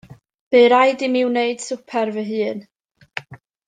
Bu raid i mi wneud swper fy hun.